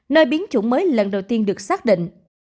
nơi biến chủng mới lần đầu tiên được xác định